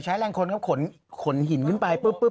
ใช้แรงคนก็ขนหินขึ้นไปปึ๊บ